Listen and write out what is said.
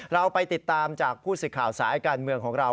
เราไปติดตามจากผู้สื่อข่าวสายการเมืองของเรา